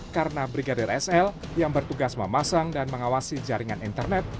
karena brigadir sl yang bertugas memasang dan mengawasi jaringan internet